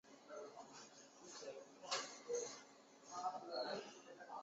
这一时期的训练演习为公海舰队在第一次世界大战的行动提供了框架。